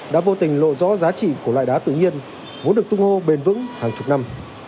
đã vô tình lộ rõ giá trị của loại đá tự nhiên vốn được tung hô bền vững hàng chục năm